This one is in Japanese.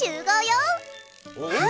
うん！